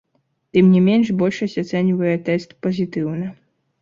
Тым не менш, большасць ацэньвае тэст пазітыўна.